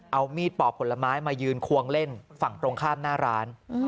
เอามีดปอกผลไม้มายืนควงเล่นฝั่งตรงข้ามหน้าร้าน